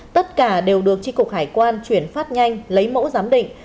tất cả đều được tri cục hải quan chuyển phát nhanh lấy mẫu giám định